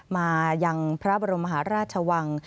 มายังพระบรมมหาราชวัง